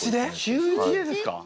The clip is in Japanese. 中１でですか！？